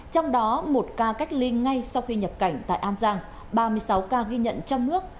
trong đó một ca cách ly ngay sau khi nhập cảnh tại an giang ba mươi sáu ca ghi nhận trong nước